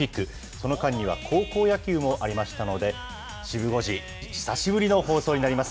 その間には、高校野球もありましたので、シブ５時、久しぶりの放送になります。